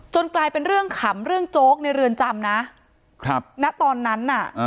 กลายเป็นเรื่องขำเรื่องโจ๊กในเรือนจำนะครับณตอนนั้นน่ะ